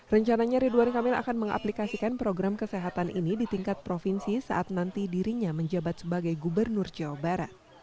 rencananya ridwan kamil akan mengaplikasikan program kesehatan ini di tingkat provinsi saat nanti dirinya menjabat sebagai gubernur jawa barat